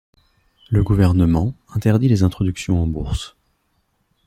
Le gouvernement interdit les introduction en bourse.